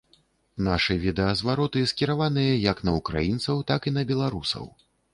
Нашыя відэазвароты скіраваныя як на украінцаў так і на беларусаў.